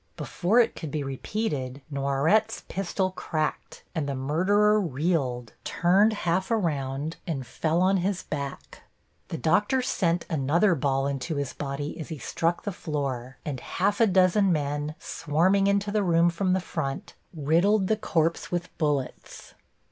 Before it could be repeated Noiret's pistol cracked and the murderer reeled, turned half around and fell on his back. The doctor sent another ball into his body as he struck the floor, and half a dozen men, swarming into the room from the front, riddled the corpse with bullets.